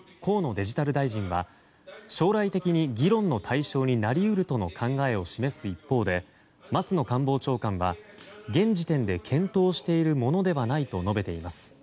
デジタル大臣は将来的に議論の対象になり得るとの考えを示す一方で松野官房長官は現時点で検討しているものではないと述べています。